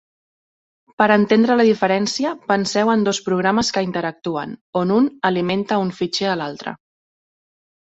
Per entendre la diferència, penseu en dos programes que interactuen, on un alimenta un fitxer a l'altre.